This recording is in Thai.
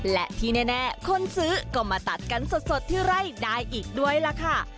และที่แน่คนซื้อก็มาตัดกันสดที่ไร่ได้อีกด้วยล่ะค่ะ